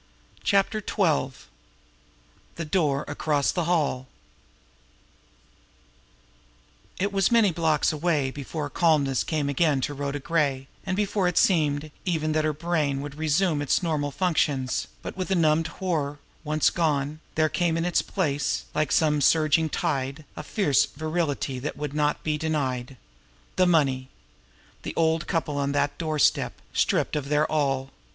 XIII. THE DOOR ACROSS THE HALL It was many blocks away before calmness came again to Rhoda Gray, and before it seemed, even, that her brain would resume its normal functions; but with the numbed horror once gone, there came in its place, like some surging tide, a fierce virility that would not be denied. The money! The old couple on that doorstep, stripped of their all!